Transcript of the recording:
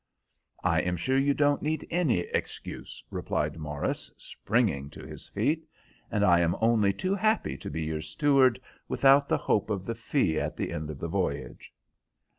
"I am sure you don't need any excuse," replied Morris, springing to his feet, "and I am only too happy to be your steward without the hope of the fee at the end of the voyage."